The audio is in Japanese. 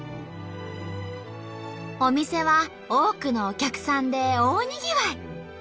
お店は多くのお客さんで大にぎわい！